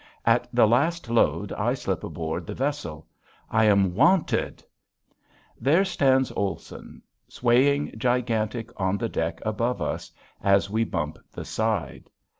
At the last load I slip aboard the vessel. I am "wanted." There stands Olson swaying gigantic on the deck above us as we bump the side.